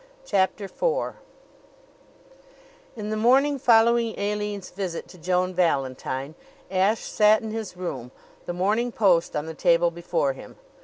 CHAPTER IV In the morning following Aline's visit to Joan Valentine, Ashe sat in his room, the Morning Post on the table before him.